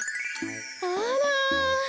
あら！